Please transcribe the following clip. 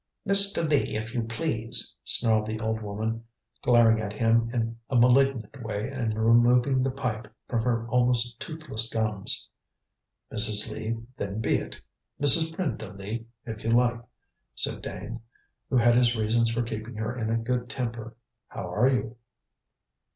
"Mrs. Lee, if you please," snarled the old woman, glaring at him in a malignant way and removing the pipe from her almost toothless gums. "Mrs. Lee then be it; Mrs. Brenda Lee, if you like," said Dane, who had his reasons for keeping her in a good temper. "How are you?"